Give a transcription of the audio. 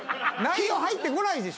内容入ってこないでしょ。